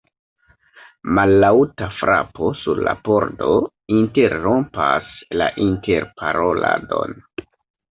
Mallaŭta frapo sur la pordo interrompas la interparoladon.